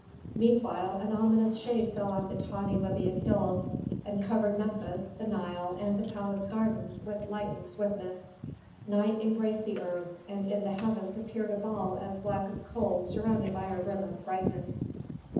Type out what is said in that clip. Meanwhile an ominous shade fell on the tawny Libyan hills, and covered Memphis, the Nile, and the palace gardens with lightning swiftness. Night embraced the earth, and in the heavens appeared a ball as black as coal surrounded by a rim of brightness.